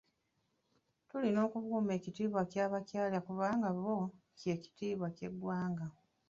Tulina okukuuma ekitiibwa ky’abakyala kubanga bo kye kitiibwa ky’eggwanga.